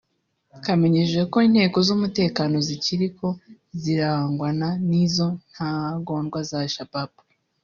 camenyesheje ko inteko z'umutekano zikiriko ziragwana n'izo ntagondwa za Al-Shabab